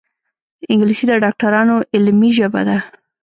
انګلیسي د ډاکټرانو علمي ژبه ده